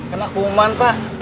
kena kuman pak